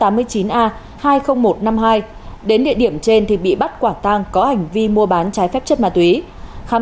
hai mươi chín a hai mươi nghìn một trăm năm mươi hai đến địa điểm trên thì bị bắt quả tang có hành vi mua bán trái phép chất ma túy khám